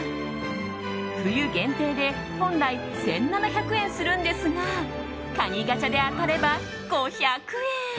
冬限定で本来１７００円するんですが蟹ガチャで当たれば５００円。